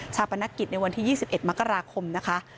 ปนกิจในวันที่๒๑มกราคมนะคะ